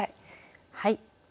はい。